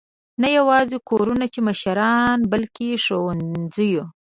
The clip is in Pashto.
نه یواځې کورونو کې مشران، بلکې ښوونځیو.